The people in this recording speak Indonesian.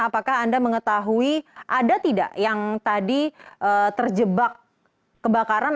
apakah anda mengetahui ada tidak yang tadi terjebak kebakaran